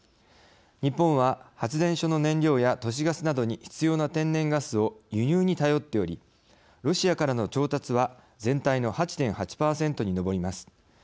日本は発電所の燃料や都市ガスなどに必要な天然ガスを輸入に頼っておりロシアからの調達は全体の８．８％に上ります。